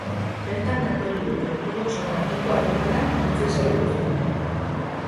Bertan katoliko eta ortodoxoen arteko harremanak hobetzen saiatu zen.